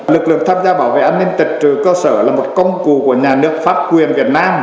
lực lượng tham gia bảo vệ an ninh trật tự cơ sở là một công cụ của nhà nước pháp quyền việt nam